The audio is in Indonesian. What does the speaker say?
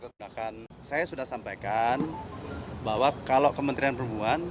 saya sudah sampaikan bahwa kalau kementerian perhubungan